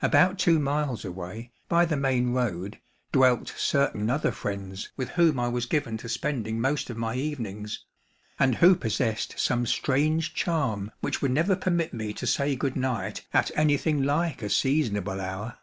About two miles away, by the main road, dwelt certain other friends, with whom I was given to spending most of my evenings, and who possessed some strange charm which would never permit me to say good night at anything like a seasonable hour.